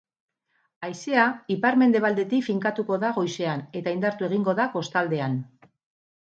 Haizea ipar-mendebaldetik finkatuko da goizean eta indartu egingo da kostaldean.